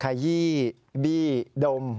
ขยี้บี้ดม